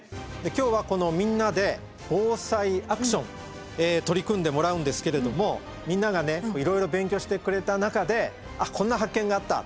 今日はこのみんなで「ＢＯＳＡＩアクション」取り組んでもらうんですけれどもみんながねいろいろ勉強してくれた中で「あっこんな発見があった」